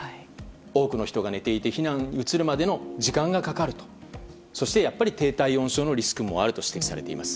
多くの人が寝ていて、避難に移るまで時間がかかり、そしてやっぱり低体温症のリスクもあると指摘されています。